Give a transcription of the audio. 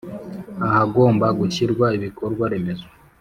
ahagomba gushyirwa ibikorwa remezo